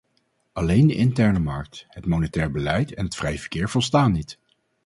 Alleen de interne markt, het monetair beleid en het vrije verkeer volstaan niet.